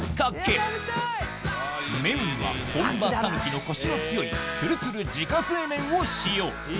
麺は本場讃岐のコシの強いツルツル自家製麺を使用